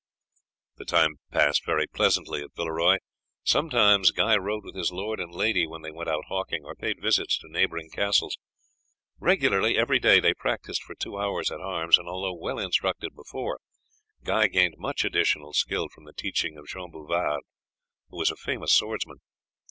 The time passed very pleasantly at Villeroy. Sometimes Guy rode with his lord and lady when they went out hawking or paid visits to neighbouring castles. Regularly every day they practised for two hours in arms, and although well instructed before, Guy gained much additional skill from the teaching of Jean Bouvard, who was a famous swordsman.